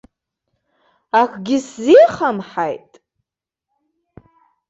Акгьы сзеихамҳаит?